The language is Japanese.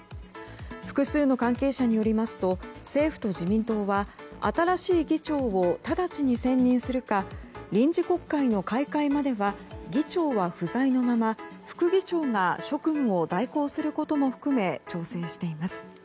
複数の関係者によりますと政府と自民党は新しい議長を直ちに選任するか臨時国会の開会までは議長は不在のまま副議長が職務を代行することも含め調整しています。